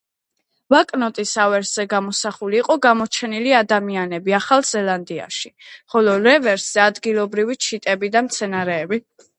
ბანკნოტის ავერსზე გამოსახული იყო გამოჩენილი ადამიანები ახალ ზელანდიაში, ხოლო რევერსზე ადგილობრივი ჩიტები და მცენარეები.